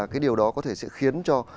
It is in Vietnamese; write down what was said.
cái điều đó có thể sẽ khiến cho